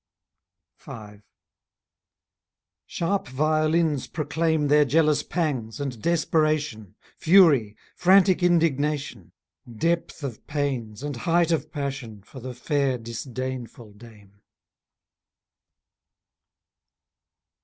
V. Sharp violins proclaim Their jealous pangs, and desperation, Fury, frantic indignation, Depth of pains, and height of passion, For the fair, disdainful dame.